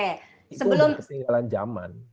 itu udah ketinggalan zaman